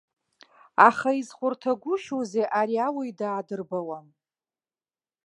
Аха изхәарҭагәышьоузеи, ари ауаҩ даадырбуам.